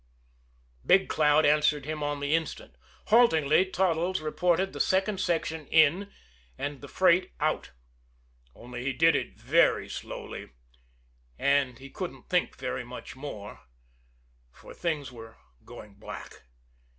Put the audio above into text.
Big Cloud answered him on the instant. Haltingly, Toddles reported the second section "in" and the freight "out" only he did it very slowly, and he couldn't think very much more, for things were going black.